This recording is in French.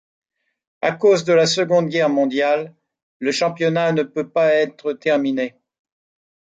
À cause de la Seconde Guerre mondiale, le championnat ne peut pas être terminé.